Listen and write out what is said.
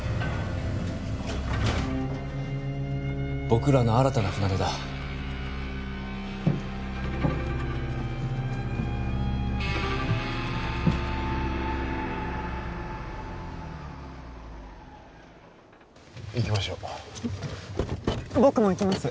僕らの新たな船出だ行きましょう僕も行きます